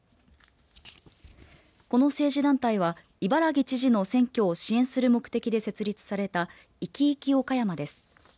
この政治団体は伊原木知事の選挙を支援する目的で設立された生き活き岡山です。